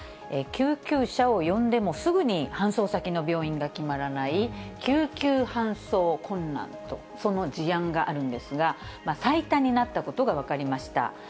救急車を呼んでもすぐに搬送先の病院が決まらない、救急搬送困難と、その事案があるんですが、最多になったことが分かりました。